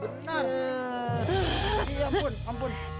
ya ampun ampun